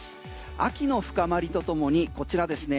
秋の深まりとともにこちらですね